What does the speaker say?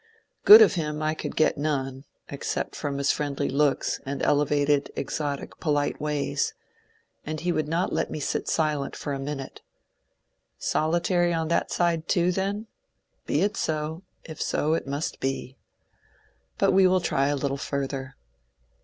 Good of him I could get none, except from his friendly looks and elevated, exotic, polite ways ; and he would uot let me sit silent for a minute. Solitary on that side too, then ? Be it so, if so it must be. But we will try a little further.